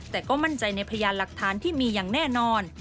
แต่ก็มั่นใจในพยานหลักฐานที่มีอย่างแน่นอน